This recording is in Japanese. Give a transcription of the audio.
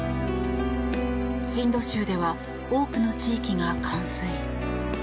シンド州では多くの地域が冠水。